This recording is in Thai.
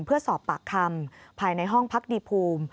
เพื่อสอบปากคำภายในห้องพักดีภูมิ